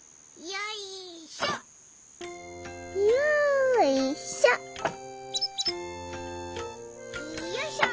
よいしょ！